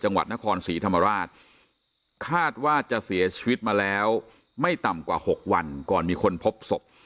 จังหวัดนครศรีธรรมราชคาดว่าจะเสียชีวิตมาแล้วไม่ต่ำกว่า๖วันก่อนมีคนพบศพ